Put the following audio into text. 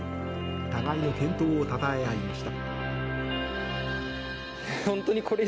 互いに健闘をたたえ合いました。